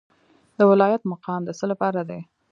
د ولایت مقام د څه لپاره دی؟